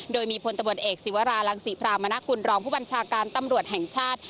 โดยมีพลตำรวจเอกศิวรารังศรีพรามณกุลรองผู้บัญชาการตำรวจแห่งชาติ